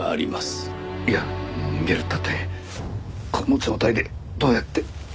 いや逃げるっていったってこの状態でどうやって。